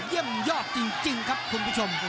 เยี่ยมยอดจริงครับคุณผู้ชม